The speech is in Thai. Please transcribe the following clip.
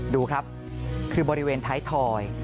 ดูครับคือบริเวณท้ายถอย